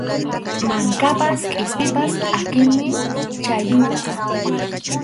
Mankapas qispipas pʼakiymi chhalluyqa.